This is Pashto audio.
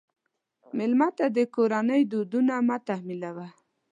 مېلمه ته د کورنۍ دودونه مه تحمیلوه.